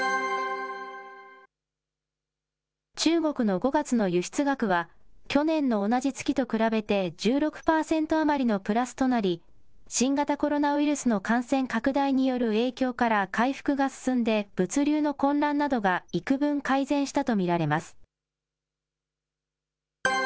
中国の５月の輸出額は、去年の同じ月と比べて１６％余りのプラスとなり、新型コロナウイルスの感染拡大による影響から回復が進んで、物流の混乱などがいくぶん改善したと見られます。